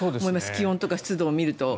気温とか湿度を見ると。